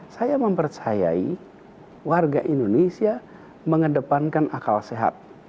saya mempercayai warga indonesia mengedepankan akal sehat